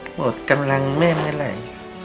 หมดกำลังแม่เมื่อไหร่